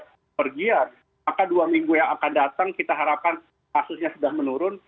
kita harapkan jika awalnya tidak banyak pergiant maka dua minggu yang akan datang kita harapkan kasusnya sudah menurun